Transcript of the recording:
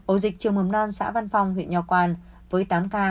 ổ dịch trường mồm non xã văn phong huyện nho quang với tám ca